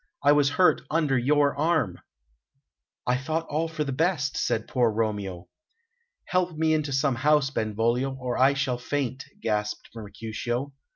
I was hurt under your arm." "I thought all for the best," said poor Romeo. "Help me into some house, Benvolio, or I shall faint," gasped Mercutio....